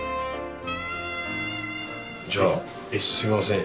じゃあすいません。